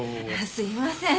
すいません。